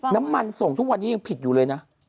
น้ำมันส่งทุกวันนี้ยังผิดอยู่เลยนะ